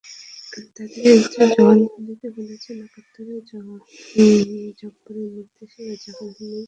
তাঁদের একজন জবানবন্দিতে বলেছেন, একাত্তরে জব্বারের নির্দেশে রাজাকাররা হিন্দুদের সম্পদ লুট করে।